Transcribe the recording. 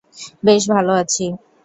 বেশ ভালো আছি।